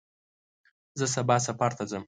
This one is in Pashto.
زه سبا سفر ته ځم.